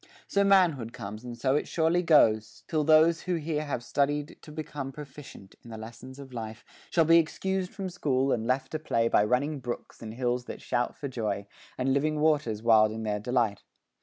So manhood comes and so it surely goes, Till those who here have studied to become Proficient in the lessons of this life, Shall be excused from school, and left to play By running brooks and hills that shout for joy, And living waters wild in their delight.